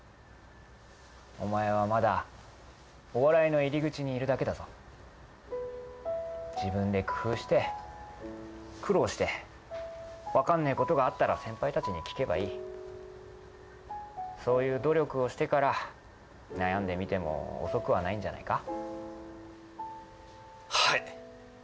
お前はまだお笑いの入り口にいるだけだぞ自分で工夫して苦労して分かんねえことがあったら先輩たちに聞けばいいそういう努力をしてから悩んでみても遅くはないんじゃないか？